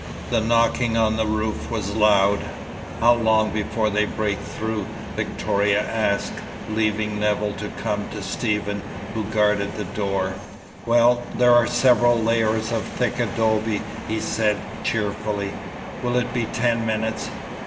The knocking on the roof was loud. "How long before they can break through?" Victoria asked, leaving Nevill to come to Stephen, who guarded the door. "Well, there are several layers of thick adobe," he said, cheerfully. "Will it be ten minutes?"